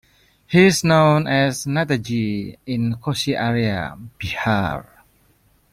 He is known as Netajee in Koshi Area, Bihar.